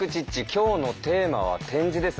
今日のテーマは「点字」です。